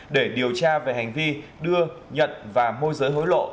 để điều tra về hành vi đưa nhận và môi giới hối lộ